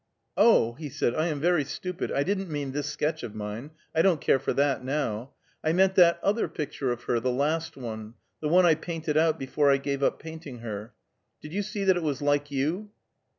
"Oh," he said, "I am very stupid. I didn't mean this sketch of mine; I don't care for that, now. I meant that other picture of her the last one the one I painted out before I gave up painting her Did you see that it was like you?"